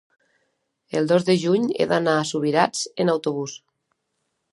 el dos de juny he d'anar a Subirats amb autobús.